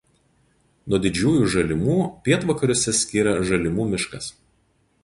Nuo Didžiųjų Žalimų pietvakariuose skiria "Žalimų" miškas.